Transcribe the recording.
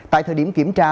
tại thời điểm kiểm tra